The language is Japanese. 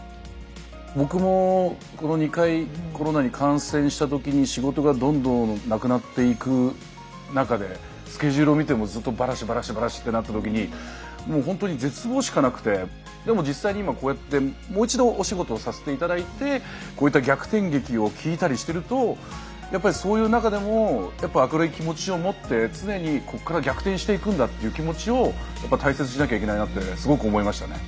僕もこの２回コロナに感染した時に仕事がどんどんなくなっていく中でスケジュールを見てもずっとバラシバラシバラシってなった時にもうほんとに絶望しかなくてでも実際に今こうやってもう一度お仕事をさせて頂いてこういった逆転劇を聞いたりしてるとやっぱりそういう中でもやっぱ明るい気持ちを持って常にここから逆転していくんだっていう気持ちをやっぱ大切にしなきゃいけないなってすごく思いましたね。